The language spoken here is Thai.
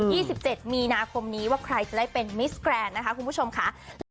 ี่สิบเจ็ดมีนาคมนี้ว่าใครจะได้เป็นมิสแกรนด์นะคะคุณผู้ชมค่ะ